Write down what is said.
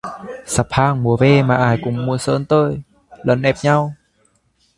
Sắp hàng mua vé mà ai cũng muốn xớn tới, lấn ép nhau